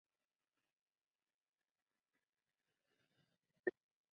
Anexo a esta construcción está la casa parroquial.